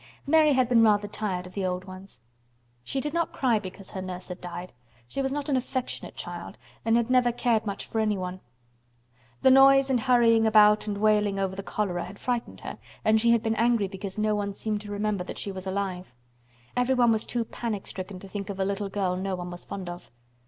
Mary had been rather tired of the old ones. She did not cry because her nurse had died. She was not an affectionate child and had never cared much for anyone. The noise and hurrying about and wailing over the cholera had frightened her, and she had been angry because no one seemed to remember that she was alive. Everyone was too panic stricken to think of a little girl no one was fond of.